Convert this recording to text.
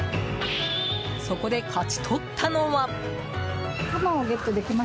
そこで、勝ち取ったのは。